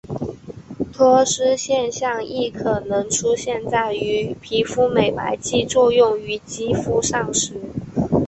脱失现象亦可能出现于皮肤美白剂作用于肌肤上时。